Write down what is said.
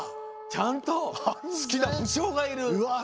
ちゃんと好きな武将がいる！